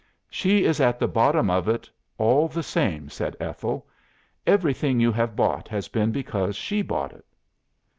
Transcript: '" "'She is at the bottom of it all the same,' said Ethel. 'Everything you have bought has been because she bought it.